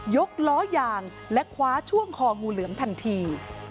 กล้อยางและคว้าช่วงคองูเหลือมทันที